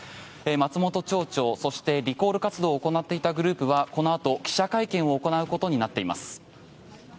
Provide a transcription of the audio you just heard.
松本町長、そしてリコール活動を行っていたグループはこのあと記者会見を行うことになっています。